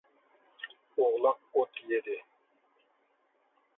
ئوغلاق ئوت يېدى.